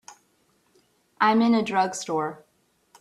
I'm in a drugstore.